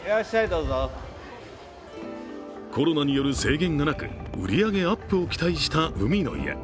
コロナによる制限がなく売り上げアップを期待した海の家。